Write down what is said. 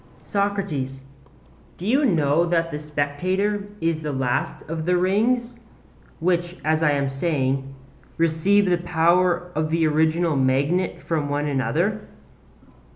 SOCRATES: Do you know that the spectator is the last of the rings which, as I am saying, receive the power of the original magnet from one another?